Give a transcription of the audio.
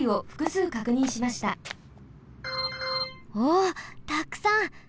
おったくさん。